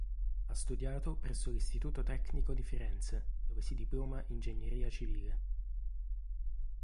Ha studiato presso l'Istituto Tecnico di Firenze, dove si diploma ingegneria civile.